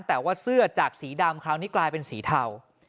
แต่ว่าเสื้อจากสีดำคราวนี้กลายเป็นสีเทา